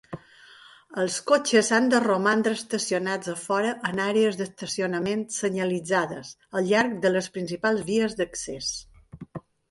Els cotxes han de romandre estacionats a fora en àrees d'estacionament senyalitzades al llarg de les principals vies d'accés.